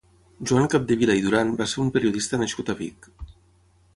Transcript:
Joan Capdevila i Duran va ser un periodista nascut a Vic.